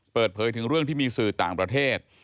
เปิดเผยถึงเรื่องที่มีสื่อต่างประเทศ